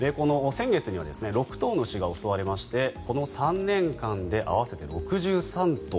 先月には６頭の牛が襲われましてこの３年間で合わせて６３頭。